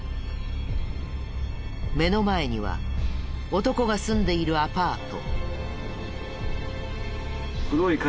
目の前には男が住んでいるアパート。